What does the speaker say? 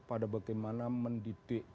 pada bagaimana mendidik